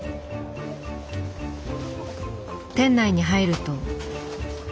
店内に入ると。